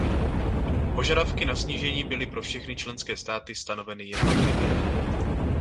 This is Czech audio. Požadavky na snížení byly pro všechny členské státy stanoveny jednotlivě.